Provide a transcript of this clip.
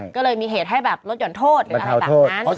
ก็เลยมีเหตุให้แบบมารถย่อนโทษหรืออะไรแบบงั้นประธานโทษ